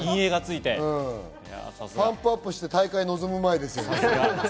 パンプアップして大会に臨む前ですよ。